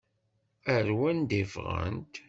Ar wanda i ffɣent?